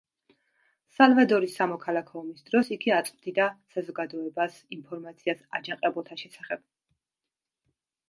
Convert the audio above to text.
სალვადორის სამოქალაქო ომის დროს იგი აწვდიდა საზოგადოებას ინფორმაციას აჯანყებულთა შესახებ.